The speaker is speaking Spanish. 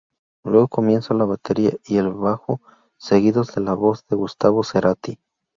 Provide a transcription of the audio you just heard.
Luego comienza la batería y el bajo seguidos de la voz de Gustavo Cerati.